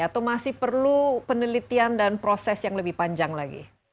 atau masih perlu penelitian dan proses yang lebih panjang lagi